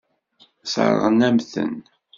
Sseṛɣen-am-ten.